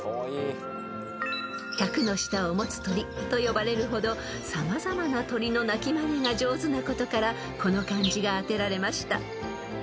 ［「百の舌を持つ鳥」と呼ばれるほど様々な鳥の鳴きまねが上手なことからこの漢字があてられました］